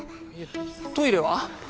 トイレは？